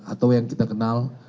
atau yang kita kenal